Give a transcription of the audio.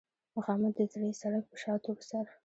مخامخ د زړې سړک پۀ شا تورسر